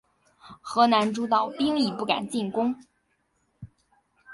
河南诸道兵亦不敢进攻。